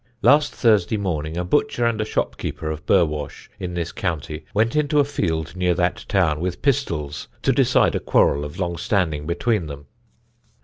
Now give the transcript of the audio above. Last Thursday morning a butcher and a shopkeeper of Burwash, in this County, went into a field near that town, with pistols, to decide a quarrel of long standing between them.